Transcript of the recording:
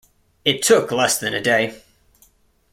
It took less than a day.